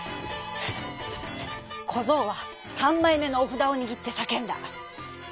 こぞうはさんまいめのおふだをにぎってさけんだ。